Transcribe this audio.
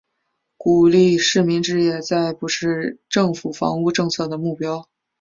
鼓励市民置业再不是政府房屋政策的目标。